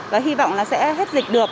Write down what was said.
và hy vọng là sẽ hết dịch được